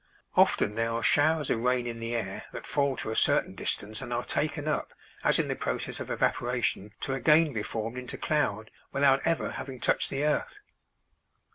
Often there are showers of rain in the air that fall to a certain distance and are taken up, as in the process of evaporation, to again be formed into cloud, without ever having touched the earth.